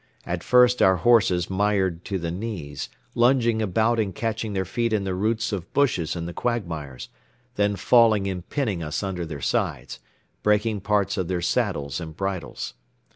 At first our horses mired to the knees, lunging about and catching their feet in the roots of bushes in the quagmires, then falling and pinning us under their sides, breaking parts of their saddles and bridles.